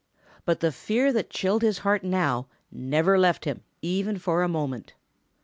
But the fear that chilled his heart now never left him even for a moment.